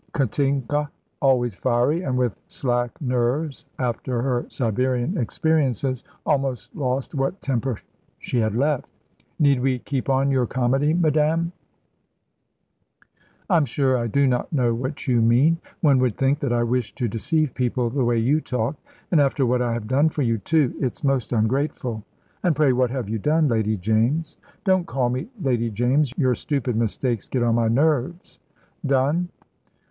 Katinka, always fiery, and with slack nerves after her Siberian experiences, almost lost what temper she had left. "Need we keep on your comedy, madame?" "I'm sure I do not know what you mean. One would think that I wished to deceive people, the way you talk. And after what I have done for you, too it's most ungrateful." "And pray what have you done, Lady James?" "Don't call me Lady James; your stupid mistakes get on my nerves. Done?